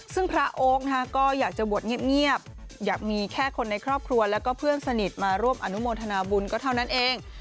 ซึ่งพระโอ๊คก็อยากจะบวชเงียบอยากมีแค่คนในครอบครัวแล้วก็เพื่อนสนิทมาร่วมอนุโมทนาบุญก็เท่านั้นเอง